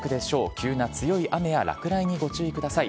急な強い雨や落雷にご注意ください。